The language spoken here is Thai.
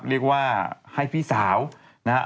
เรียกว่าให้พี่สาวนะฮะ